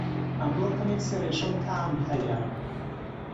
ئەمڕۆ کەمێک سەرئێشه و تام هەیە